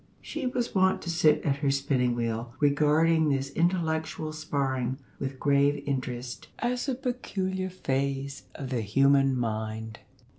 She was wont to sit at her spinning wheel regarding this intellectual sparring with grave interest, as a peculiar phase of the human mind.